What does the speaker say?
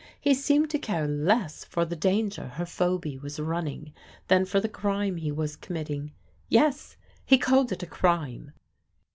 He seemed to care less for the danger her Phoby was running than for the crime he was committing. Yes; he called it a crime!